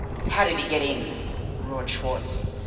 "How did he get in?" roared Schwartz.